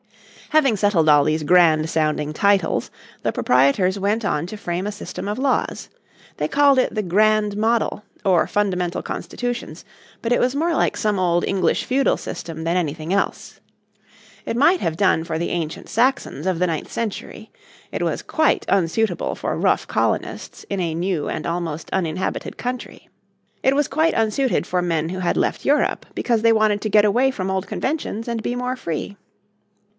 Having settled all these grand sounding titles the proprietors went on to frame a system of laws. They called it the Grand Model or Fundamental Constitutions, but it was more like some old English feudal system than anything else. It might have done for the ancient Saxons of the ninth century; it was quite unsuitable for rough colonists in a new and almost uninhabited country. It was quite unsuited for men who had left Europe because they wanted to get away from old conventions and be more free.